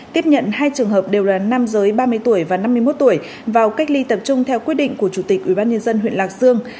tiếp nhận hai trường hợp đều là nam giới ba mươi tuổi và năm mươi một tuổi vào cách ly tập trung theo quyết định của chủ tịch ubnd huyện lạc dương